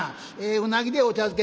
「うなぎでお茶漬け」。